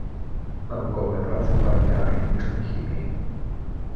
Навуковыя працы па неарганічнай хіміі.